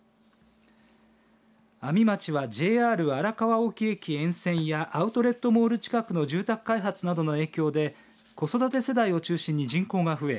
阿見町はＪＲ荒川沖駅沿線やアウトレットモール近くの住宅開発などの影響で子育て世代を中心に人口が増え